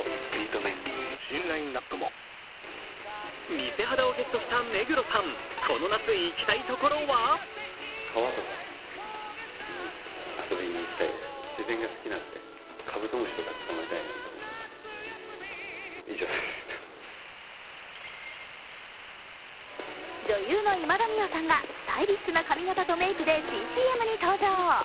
魅せ肌をゲットした目黒さん、この夏、行きたいところは女優の今田美桜さんがスタイリッシュな髪型とメイクで新ＣＭに登場。